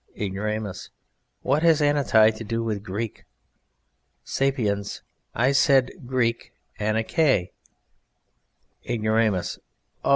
IGNORAMUS. What has Ananti to do with Greek? SAPIENS. I said [Greek: Anankae]. IGNORAMUS. Oh!